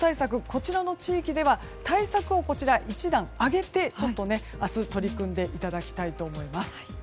こちらの地域では対策を１段上げて、明日取り組んでいただきたいと思います。